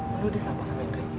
lu udah sapa sama indri